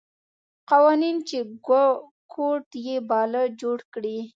قوانین چې کوډ یې باله جوړ کړي.